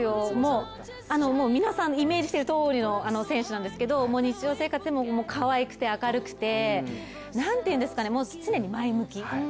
もう皆さんイメージしているとおりの選手なんですけれども日常生活でもかわいくて明るくて常に前向き。